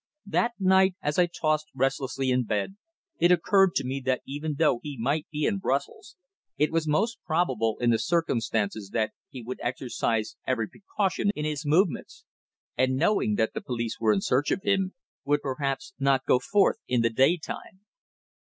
That night, as I tossed restlessly in bed, it occurred to me that even though he might be in Brussels, it was most probable in the circumstances that he would exercise every precaution in his movements, and knowing that the police were in search of him, would perhaps not go forth in the daytime.